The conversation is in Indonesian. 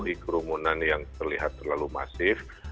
di kerumunan yang terlihat terlalu masif